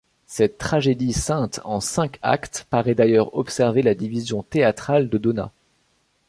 Cette tragédie sainte en cinq actes paraît d'ailleurs observer la division théâtrale de Donat.